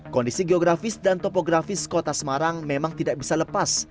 kondisi geografis dan topografis kota semarang memang tidak bisa lepas